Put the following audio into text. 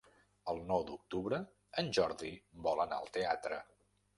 El nou d'octubre en Jordi vol anar al teatre.